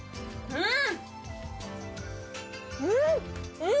うん！